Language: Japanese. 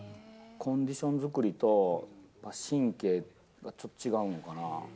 コンディション作りと神経がちょっと違うのかな。